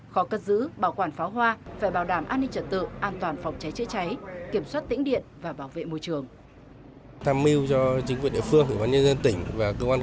khó cất giữ bảo quản pháo hoa phải bảo đảm an ninh trật tự an toàn phòng cháy chữa cháy kiểm soát tĩnh điện và bảo vệ môi trường